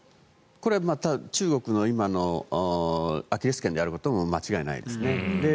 これ、中国の今のアキレス腱であることも間違いないですね。